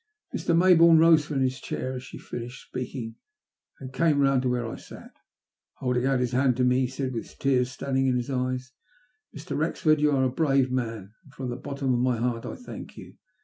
Mr. Maybourne rose from his chair as she finished speaking, and came round to where I sat. Holding out his hand to me, he said, with tears standing in his eyes :" Mr. Wrexford, you are a brave man, and from the bottom of my heart I thank you.